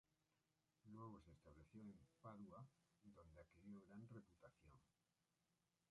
Luego se estableció en Padua, donde adquirió gran reputación.